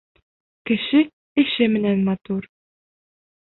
Кеше эше менән матур.